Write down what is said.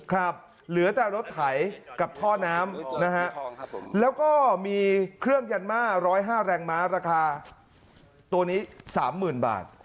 เหลือแต่รถไถกับท่อน้ำนะฮะแล้วก็มีเครื่องยันม่า๑๐๕แรงม้าราคาตัวนี้๓๐๐๐บาท